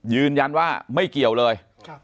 ยืนยันว่าไม่เกี่ยวเลย